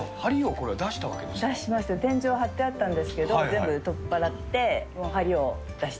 これ、出しました、天井張ってあったんですけど、全部取っ払って、はりを出して。